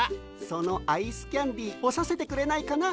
そのアイスキャンデーほさせてくれないかな。